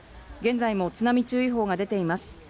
現在も津波注意報が出ています。